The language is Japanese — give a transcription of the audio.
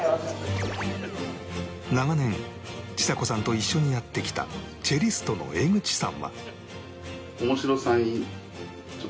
長年ちさ子さんと一緒にやってきたチェリストの江口さんは